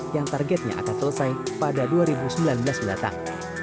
yang targetnya akan selesai pada dua ribu sembilan belas mendatang